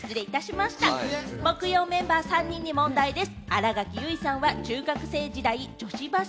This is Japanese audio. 木曜メンバーの３人に問題です。